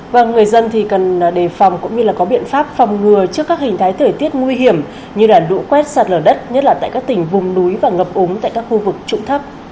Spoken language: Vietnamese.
và người dân thì cần đề phòng cũng như là có biện pháp phòng ngừa trước các hình thái thời tiết nguy hiểm như lũ quét sạt lở đất nhất là tại các tỉnh vùng núi và ngập ống tại các khu vực trụng thấp